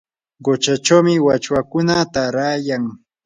quchachawmi wachwakuna taarayan.